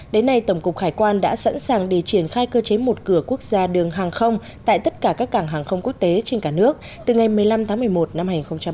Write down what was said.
đến nay tổng cục hải quan đã sẵn sàng để triển khai cơ chế một cửa quốc gia đường hàng không tại tất cả các cảng hàng không quốc tế trên cả nước từ ngày một mươi năm tháng một mươi một năm hai nghìn hai mươi